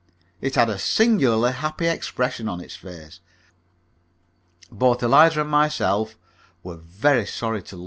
It had a singularly happy expression on its face. Both Eliza and myself were very sorry to lose it.